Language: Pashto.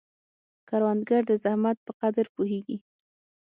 کروندګر د زحمت په قدر پوهیږي